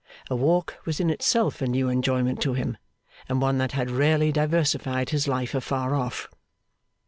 A walk was in itself a new enjoyment to him, and one that had rarely diversified his life afar off.